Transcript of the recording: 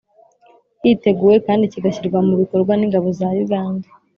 hiteguwe kand kigashyirwa mu bikorwa n'ingabo za uganda,